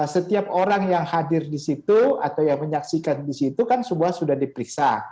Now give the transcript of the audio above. setiap orang yang hadir di situ atau yang menyaksikan di situ kan semua sudah diperiksa